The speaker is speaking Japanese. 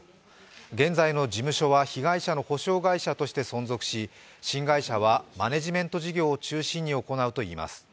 現在の事務所は被害者の補償会社として存続し新会社はマネジメント事業を中心に行うといいます。